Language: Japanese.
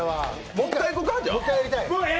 もう一回やりたい。